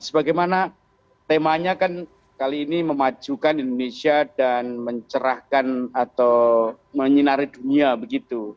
sebagaimana temanya kan kali ini memajukan indonesia dan mencerahkan atau menyinari dunia begitu